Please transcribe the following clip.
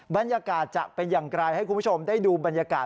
บรรยากาศจะเป็นอย่างไรให้คุณผู้ชมได้ดูบรรยากาศ